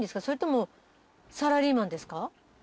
それともサラリーマンですか？